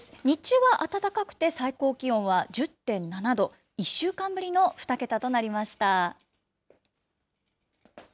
日中は暖かくて最高気温は１０．７度、１週間ぶりの２桁となりました。